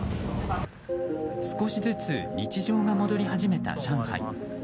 少しずつ日常が戻り始めた上海。